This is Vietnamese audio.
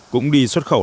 cũng đi xuất khẩu